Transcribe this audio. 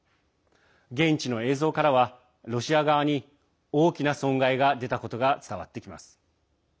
現地の映像からは、ロシア側に大きな損害が出たことが伝わってきます。